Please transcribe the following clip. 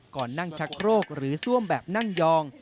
ก่อนนั่งชักโครกหรือซ่วมแบบนั่งยอง